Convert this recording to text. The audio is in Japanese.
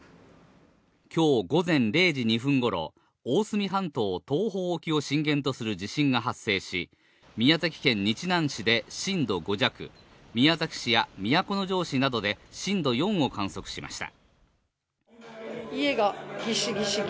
今日午前０時２分頃、大隅半島東方沖を震源とする地震が発生し、宮崎県日南市で震度５弱、宮崎市や都城市などで震度４を観測しました。